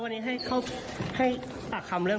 ก็ผมไม่ได้ยื่น